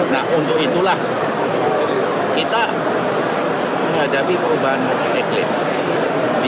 nah untuk itulah kita menghadapi perubahan iklim